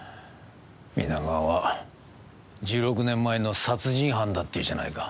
皆川は１６年前の殺人犯だっていうじゃないか。